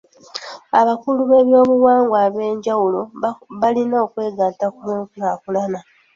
Abakulu b'ebyobuwangwa eb'enjawulo balina okwegatta ku lw'enkulaakulana.